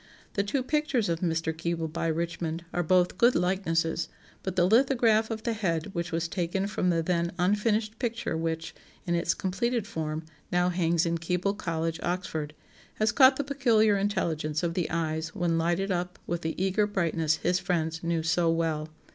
The two pictures of Mr. Keble by Richmond are both good likenesses; but the lithograph of the head which was taken from the then unfinished picture which, in its completed form, now hangs in Keble College, Oxford, has caught the peculiar intelligence of the eyes when lighted up with the eager brightness his friends knew so well.